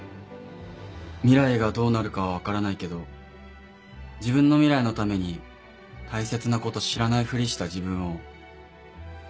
未来がどうなるかは分からないけど自分の未来のために大切なこと知らないフリした自分を。